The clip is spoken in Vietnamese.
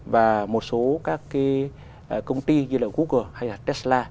và một số các công ty như google hay tesla